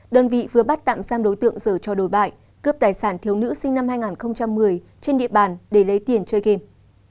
đơn vị vừa bắt tạm giam đối tượng giờ cho đồi bại cướp tài sản thiếu nữ sinh năm hai nghìn một mươi trên địa bàn để lấy tiền chơi game